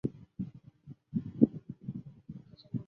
胎生紫堇为罂粟科紫堇属下的一个种。